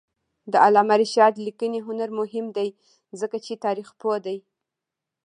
د علامه رشاد لیکنی هنر مهم دی ځکه چې تاریخپوه دی.